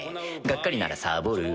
がっかりならサボる。